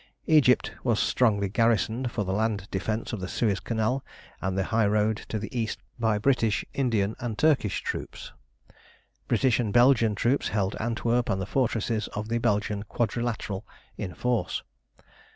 Egypt was strongly garrisoned for the land defence of the Suez Canal and the high road to the East by British, Indian, and Turkish troops. British and Belgian troops held Antwerp and the fortresses of the Belgian Quadrilateral in force.